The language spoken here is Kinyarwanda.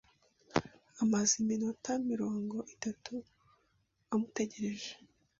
Amaze iminota mirongo itatu amutegereje.